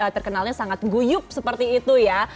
terkenalnya sangat guyup seperti itu ya